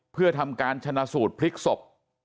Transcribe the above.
เพื่อทำการชนะสูตรพลิกศพ